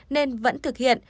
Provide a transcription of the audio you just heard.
nên vẫn thực hiện